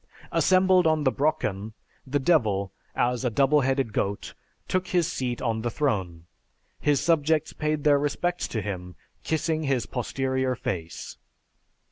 Assembled on the Brocken, the Devil, as a double headed goat, took his seat on the throne. His subjects paid their respects to him, kissing his posterior face.